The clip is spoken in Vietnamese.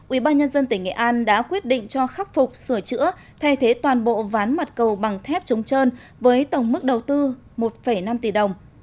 ubnd tỉnh nghệ an đã quyết định cho khắc phục sửa chữa thay thế toàn bộ ván mặt cầu bằng thép chống trơn với tổng mức đầu tư một năm tỷ đồng